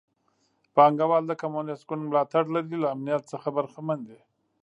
پانګوال د کمونېست ګوند ملاتړ لري له امنیت څخه برخمن دي.